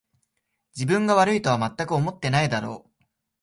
自分が悪いとはまったく思ってないだろう